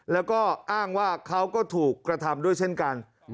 แล้วก็อ้างว่าเขาก็ถูกกระทำด้วยเช่นกัน